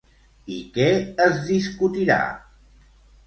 I què es discutirà?